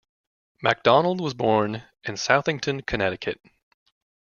MacDonald was born in Southington, Connecticut.